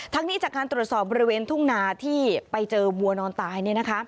นี้จากการตรวจสอบบริเวณทุ่งนาที่ไปเจอวัวนอนตาย